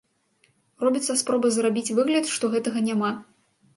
Робіцца спроба зрабіць выгляд, што гэтага няма.